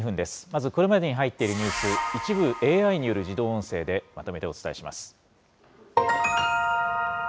まずこれまでに入っているニュース、一部ＡＩによる自動音声でまとめてお伝えします。